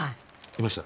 いました？